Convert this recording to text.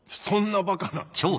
そんなバカな。